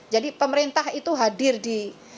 jadi pemerintah itu hadir di